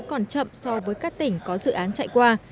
còn chậm so với các tỉnh có dự án chạy qua